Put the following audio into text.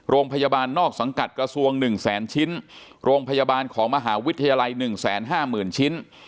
โรงพยาบาลนอกสังกัดกระทรวง๑แสนชิ้นโรงพยาบาลของมหาวิทยาลัย๑๕๐๐๐ชิ้น